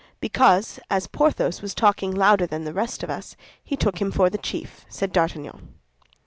"Because, as Porthos was talking louder than the rest of us, he took him for the chief," said D'Artagnan.